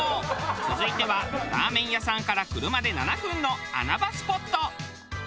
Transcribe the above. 続いてはラーメン屋さんから車で７分の穴場スポット。